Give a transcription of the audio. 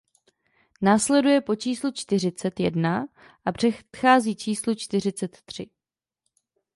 Následuje po číslu čtyřicet jedna a předchází číslu čtyřicet tři.